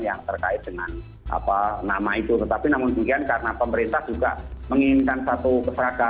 yang terkait dengan apa nama itu tetapi namun demikian karena pemerintah juga menginginkan satu keseragaman